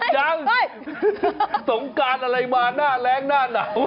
ยังสงการอะไรมาหน้าแรงหน้าหนาว